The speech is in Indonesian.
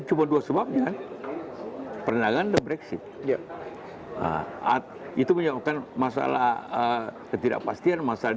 cuma dua sebabnya perenangan dan brexit itu menjawabkan masalah ketidakpastian masalah